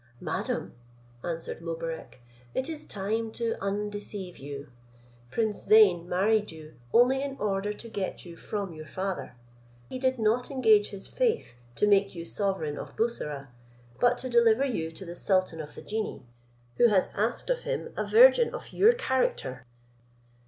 "Madam," answered Mobarec, "it is time to undeceive you. Prince Zeyn married you only in order to get you from your father: he did not engage his faith to make you sovereign of Bussorah, but to deliver you to the sultan of the genii, who has asked of him a virgin of your character."